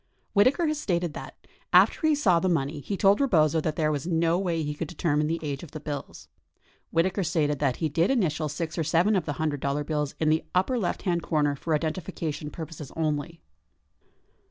Whitaker has Stated that, after he saw the money he told Rebozo that there was no way he could determine the age of the bills. Whitaker stated that he did initial six or seven of the $100 bills in the upper lefthand comer for identifi cation purposes only.